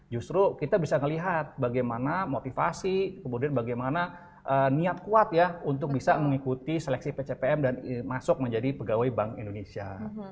justru kita bisa melihat bagaimana motivasi kemudian bagaimana niat kuat ya untuk bisa mengikuti seleksi pcpm dan masuk menjadi pegawai bank indonesia